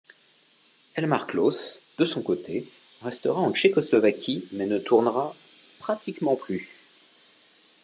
Elmar Klos, de son côté, restera en Tchécoslovaquie mais ne tournera pratiquement plus.